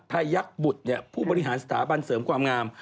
ยักษ์บุตรผู้บริหารสถาบันเสริมความงาม